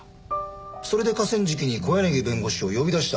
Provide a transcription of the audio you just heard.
それで河川敷に小柳弁護士を呼び出した。